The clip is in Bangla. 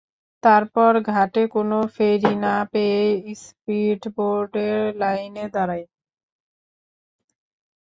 তারপর ঘাটে কোনো ফেরি না পেয়ে স্পিডবোটের লাইনে দাঁড়াই।